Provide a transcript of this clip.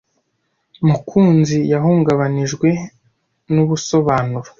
Mukunzi yahungabanijwe nubusobanuro.